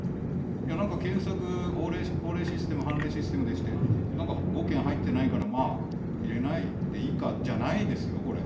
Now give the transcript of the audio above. なんか検索、法令システム、判例システムでして、なんか５件入ってないから、まあ入れないでいいかじゃないですよ、これ。